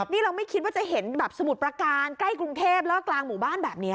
นี่เราไม่คิดว่าจะเห็นแบบสมุทรประการใกล้กรุงเทพแล้วก็กลางหมู่บ้านแบบนี้